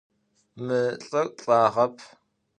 Mı lh'ır lhagep.